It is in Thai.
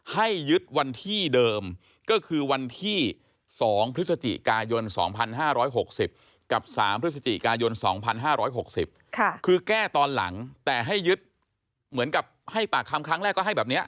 ให้ยึดวันที่เดิมก็คือวันที่๒พฤศจิกายน๒๕๖๐กับ๓พฤศจิกายน๒๕๖๐คือแก้ตอนหลังแต่ให้ยึดเหมือนกับให้ปากคำครั้งแรกก็ให้แบบนี้